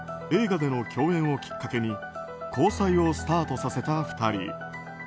映画での共演をきっかけに交際をスタートさせた２人。